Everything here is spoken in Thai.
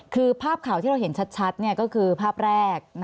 คือภาพข่าวที่เราเห็นชัดก็คือภาพแรก